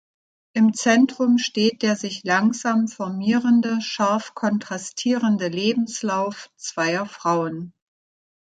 Im Zentrum steht der sich langsam formierende, scharf kontrastierende Lebenslauf zweier Frauen.